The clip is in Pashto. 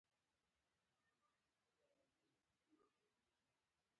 ویګیان هم مجبور وو چې د قانون حاکمیت ته غاړه کېږدي.